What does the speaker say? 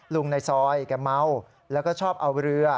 ลุงในซ้อยเขาเมาแล้วก็ชอบเอารือ